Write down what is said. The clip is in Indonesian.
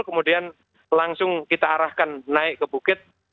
kemudian langsung kita arahkan naik ke bukit